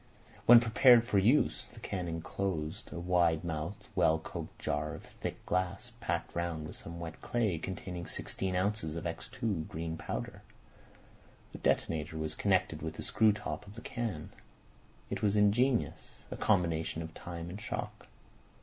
When prepared for use, the can enclosed a wide mouthed, well corked jar of thick glass packed around with some wet clay and containing sixteen ounces of X2 green powder. The detonator was connected with the screw top of the can. It was ingenious—a combination of time and shock.